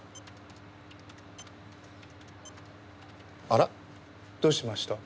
あら？どうしました？